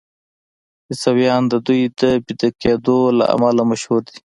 عیسویان د دوی د ویده کیدو له امله مشهور دي.